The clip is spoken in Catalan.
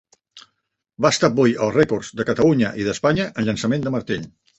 Va establir els rècords de Catalunya i d'Espanya en llançament de martell.